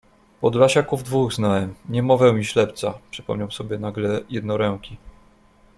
Podlasiaków dwóch znałem: niemowę i ślepca — przypomniał sobie nagle jednoręki.